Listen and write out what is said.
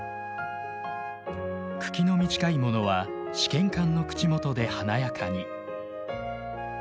茎の短いものは試験管の口元で華やかに。